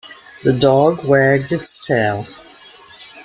The dog wagged its tail.